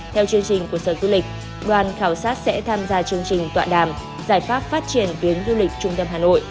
theo chương trình của sở du lịch đoàn khảo sát sẽ tham gia chương trình tọa đàm giải pháp phát triển tuyến du lịch trung tâm hà nội